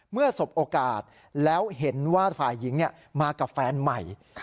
สบโอกาสแล้วเห็นว่าฝ่ายหญิงมากับแฟนใหม่